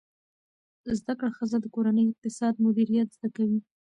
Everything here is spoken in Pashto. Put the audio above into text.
زده کړه ښځه د کورني اقتصاد مدیریت زده کوي.